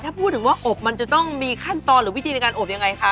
ถ้าพูดถึงว่าอบมันจะต้องมีขั้นตอนหรือวิธีในการอบยังไงคะ